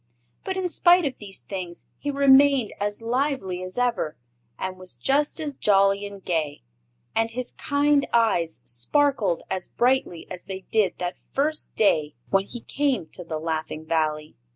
But in spite of these things he remained as lively as ever, and was just as jolly and gay, and his kind eyes sparkled as brightly as they did that first day when he came to the Laughing Valley.